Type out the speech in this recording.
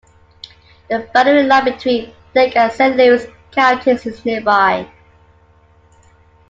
The boundary line between Lake and Saint Louis counties is nearby.